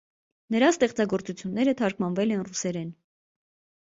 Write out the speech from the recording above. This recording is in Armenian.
Նրա ստեղծագործությունները թարգմանվել են ռուսերեն։